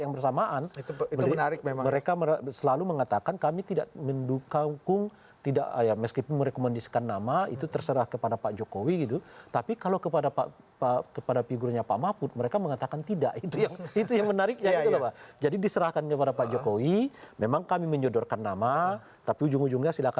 yang disebutkan ini seberapa rugi